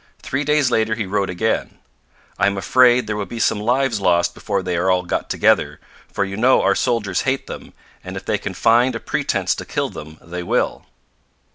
Three days later he wrote again: 'I am afraid there will be some lives lost before they are got together, for you know our soldiers hate them, and if they can find a pretence to kill them, they will.'